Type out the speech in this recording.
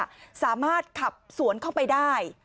สามารถขับสวนเข้าไปได้